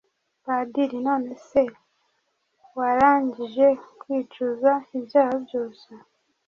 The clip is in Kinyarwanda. padiri :"none se warangije kwicuza ibyaha byose ???"